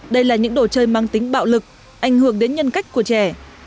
đây là những đồ chơi mang tính bạo lực ảnh hưởng đến nhân cách của trẻ